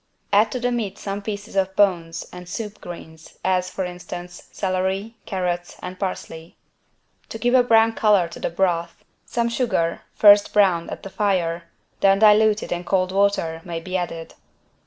Add to the meat some pieces of bones and "soup greens" as, for instance, celery, carrots and parsley. To give a brown color to the broth, some sugar, first browned at the fire, then diluted in cold water, may be added.